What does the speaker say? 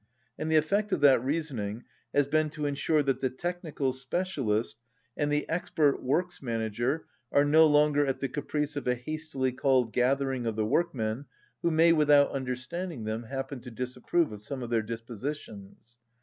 And the effect of that reasoning has been to ensure that the technical specialist and the expert works manager are no longer at the caprice of a hastily called gathering of the workmen who may, without understaiiding them, happen to dis approve of some of their dispositions.